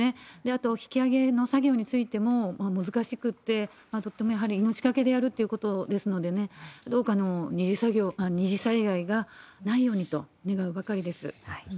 あと、引き揚げの作業についても難しくって、とっても、やはり命懸けでやるということですのでね、どうか二次災害がないようにと願うばかりです。